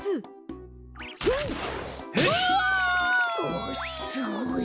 おおすごい！